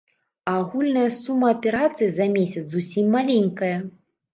А агульная сума аперацый за месяц зусім маленькая.